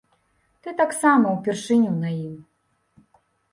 Ты таксама упершыню на ім.